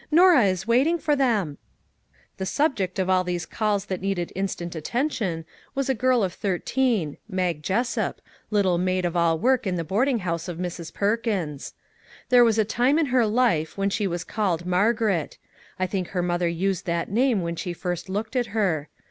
Norah is wait ing for them." zx MAG AND MARGARET The subject of all these calls that needed in stant attention was a girl of thirteen, Mag Jessup, little maid of all work in the boarding house of Mrs. Perkins. There was a time in her life, when she was called Margaret. I think her mother used that name when she first looked at her.